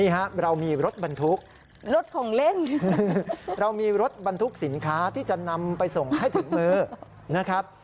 ให้ถึงมือนะครับ